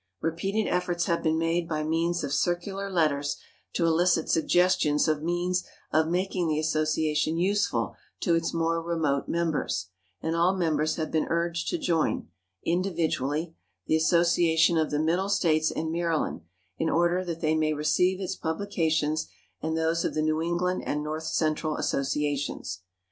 Repeated efforts have been made by means of circular letters to elicit suggestions of means of making the Association useful to its more remote members; and all members have been urged to join, individually, the Association of the Middle States and Maryland, in order that they may receive its publications and those of the New England and North Central Associations.